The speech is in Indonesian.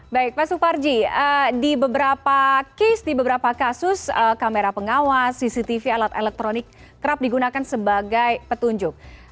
baik pak suparji di beberapa case di beberapa kasus kamera pengawas cctv alat elektronik kerap digunakan sebagai petunjuk